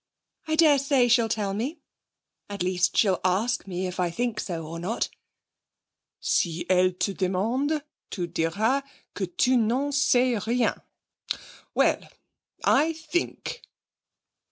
'I dare say she'll tell me. At least she'll ask me if I think so or not.' 'Si elle te demande, tu diras que tu n'en sais rien! Well, I think....'